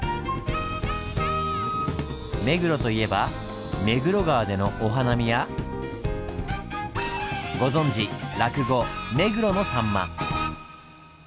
目黒といえば目黒川でのお花見やご存じ落語「目黒のさんま」。